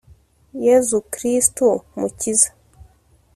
yezu kristu mukiza